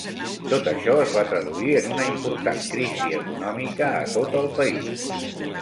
Tot això es va traduir en una important crisi econòmica a tot el país.